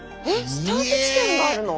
スタート地点があるの？